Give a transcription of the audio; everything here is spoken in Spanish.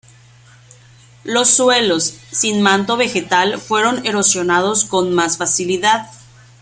Los suelos, sin manto vegetal, fueron erosionados con más facilidad.